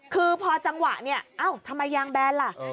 คือพอจังหวะเนี่ยเอ้าทำไมยางแบนล่ะ